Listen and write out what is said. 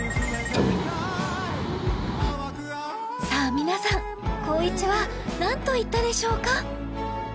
皆さん紘一は何と言ったでしょうか？